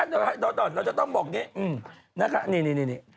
เดี๋ยวต่อเราจะต้องบอกนี้